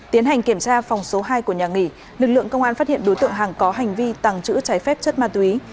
tiến hành kiểm tra phòng số hai của nhà nghỉ lực lượng công an phát hiện đối tượng hằng có hành vi tàng trữ trái phép chất ma túy